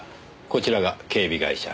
こちらが警備会社。